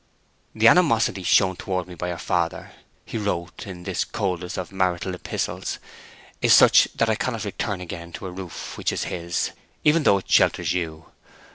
"The animosity shown towards me by your father," he wrote, in this coldest of marital epistles, "is such that I cannot return again to a roof which is his, even though it shelters you.